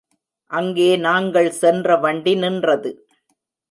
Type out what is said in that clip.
அங்கே நாங்கள் சென்ற வண்டி நின்றது.